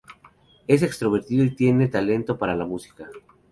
Es extrovertido y tiene talento para la música.